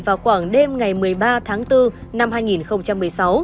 vào khoảng đêm ngày một mươi ba tháng bốn năm hai nghìn một mươi sáu